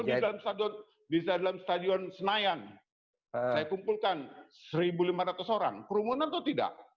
atau di dalam stadion senayan saya kumpulkan seribu lima ratus orang kerumunan atau tidak